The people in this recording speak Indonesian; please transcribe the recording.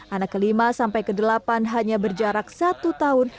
anak kelima sampai kedelapan hanya berjarak satu tahun